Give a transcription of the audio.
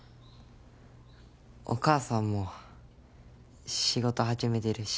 お母さんも仕事始めてるし。